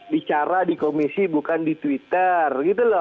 bicara di komisi bukan di twitter